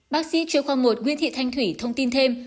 bác sĩ chuyên khoa một nguyễn thị thanh thủy thông tin thêm